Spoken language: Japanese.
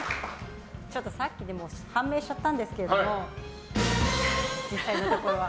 ちょっと、さっき判明しちゃったんですけれども実際のところは。